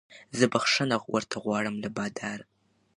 زه بخښنه ورته غواړم له باداره